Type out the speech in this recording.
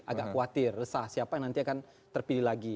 agak khawatir resah siapa yang nanti akan terpilih lagi